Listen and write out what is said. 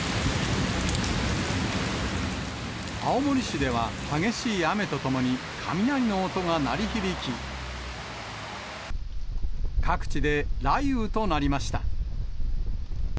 青森市では激しい雨とともに、雷の音が鳴り響き、各地で雷雨となりました。